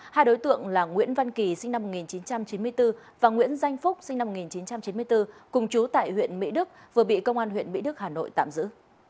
hai đối tượng là nguyễn văn kỳ sinh năm một nghìn chín trăm chín mươi bốn và nguyễn danh phúc sinh năm một nghìn chín trăm chín mươi bốn cùng chú tại huyện mỹ đức vừa bị công an huyện mỹ đức hà nội tạm giữ